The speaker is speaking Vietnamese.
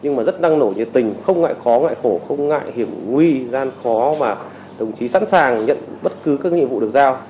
nhưng mà rất năng nổ nhiệt tình không ngại khó ngại khổ không ngại hiểm nguy gian khó mà đồng chí sẵn sàng nhận bất cứ các nhiệm vụ được giao